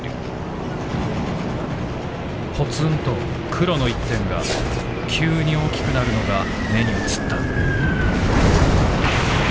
ポツンと黒の一点が急に大きくなるのが眼に映った」。